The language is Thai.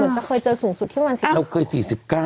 มีนก็เคยเจอสูงสุดที่ว่าแล้วเกิด๔๙